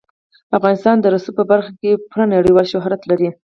افغانستان د رسوب په برخه کې پوره نړیوال شهرت لري.